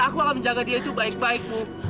aku akan menjaga dia itu baik baik ibu